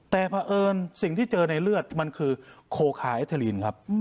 แต่เพราะเอิญสิ่งที่เจอในเลือดมันคือโคคาเอเทอร์ลีนครับ